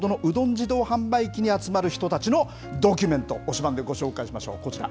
自動販売機に集まる人たちのドキュメント、推しバン！でご紹介しましょう、こちら。